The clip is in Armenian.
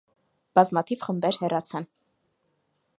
Բազմաթիվ խմբեր հեռացան։